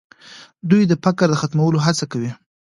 دوی د فقر د ختمولو هڅه کوي.